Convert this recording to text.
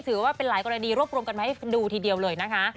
ถือว่าเป็นหลายกรณีรวบรวมกันมาให้ดูทีเดียวเลยนะคะ